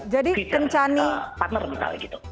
jadi kencani partner misalnya gitu